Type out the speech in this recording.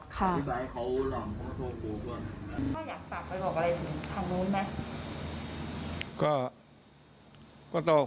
ก็อยากฝากไปบอกอะไรถึงข้างโน้นไหม